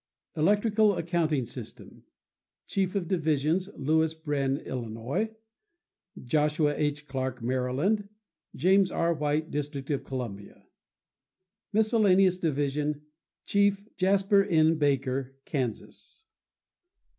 Electrical Accounting System.— Chiefs of Division.— Louis Brehm, Illinois. Joshua H. Clark, Maryland. James R. White, District of Columbia. Miscellaneous Division.— Chief.—Jasper N. Baker, Kansas.